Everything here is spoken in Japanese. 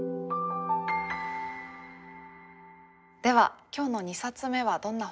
では今日の２冊目はどんな本でしょうか？